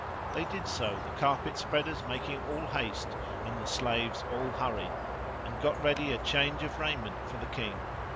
They did so, the carpet spreaders making all haste, and the slaves all hurry and got ready a change of raiment for the King.